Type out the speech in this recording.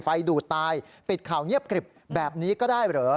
ดูดตายปิดข่าวเงียบกริบแบบนี้ก็ได้เหรอ